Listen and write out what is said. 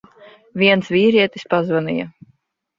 Viens vīrietis pazvanīja.